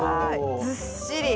ずっしり。